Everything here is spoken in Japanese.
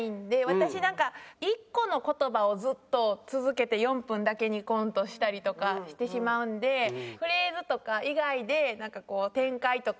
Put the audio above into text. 私なんか１個の言葉をずっと続けて４分だけにコントしたりとかしてしまうんでフレーズとか以外でなんかこう展開とか。